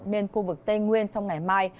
nên khu vực tây nguyên trong ngày mai